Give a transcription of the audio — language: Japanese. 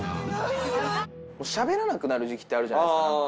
しゃべらなくなる時期ってあるじゃないですか何か。